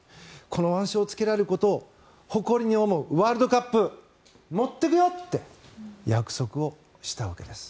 この腕章をつけられることを誇りに思うワールドカップに持っていくよって約束をしたわけです。